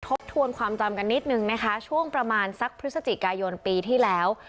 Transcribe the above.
ทบทวนความจำกันนิดนึงนะคะช่วงประมาณสักพฤศจิกายนปีที่แล้ว